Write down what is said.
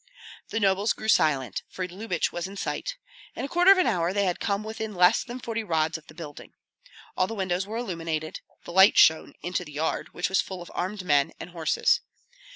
The nobles grew silent, for Lyubich was in sight. In a quarter of an hour they had come within less than forty rods of the building. All the windows were illuminated; the light shone into the yard, which was full of armed men and horses.